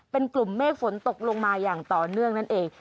เป็นกลุ่มเมฆฝนตกลงมาอย่างต่อเนื่องนั่นเอง